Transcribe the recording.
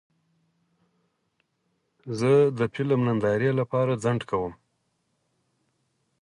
زه د فلم نندارې لپاره ځنډ کوم.